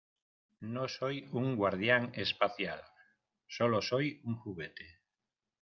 No soy un guardián espacial. Sólo soy un juguete .